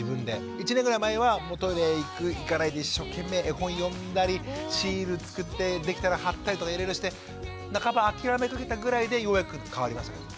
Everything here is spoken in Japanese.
１年ぐらい前はトイレ行く行かないで一生懸命絵本読んだりシールつくってできたら貼ったりとかいろいろして半ば諦めかけたぐらいでようやく変わりましたけどね。